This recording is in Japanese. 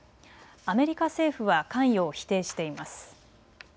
アメリカ政府は関与を否定しています。